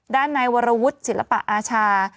ด้านในวรวุฒิศิลปะอาชา